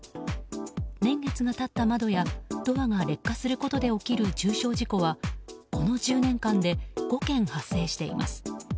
年月が経った窓やドアが劣化することで起きる重傷事故はこの１０年間で５件発生しています。